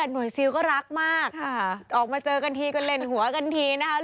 หน่วยซิลก็รักมากออกมาเจอกันทีก็เล่นหัวกันทีนะคะ